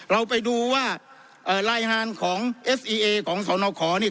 เราไปดูว่าเอ่อรายหารของเอสอีเอของสาวนาวขอนี่